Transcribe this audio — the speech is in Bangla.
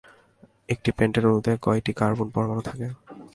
একটি পেন্টেন অণুতে কয়টি কার্বন পরমাণু থাকে?